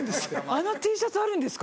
あのＴシャツあるんですか？